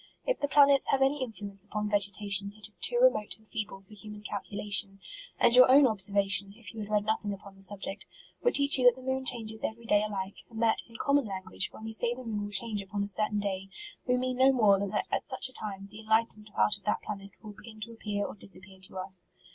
If the plan ets have any influence upon vegetation, it is too remote and feeble for human calculation ; and your own observation, if you had read nothing upon the subject, would teach you that the moon changes every day alike, and that, in common language, when we say the moon will change upon a certain day, we mean no more than that at such a time, the enlightend part of that planet will begin to appear or disappear to us.